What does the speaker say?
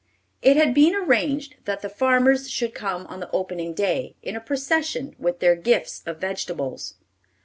It had been arranged that the farmers should come on the opening day, in a procession, with their gifts of vegetables.